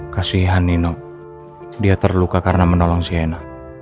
kasihan nino dia terluka karena menolong sienna